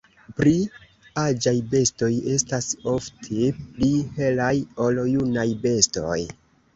Pli aĝaj bestoj estas ofte pli helaj ol junaj bestoj.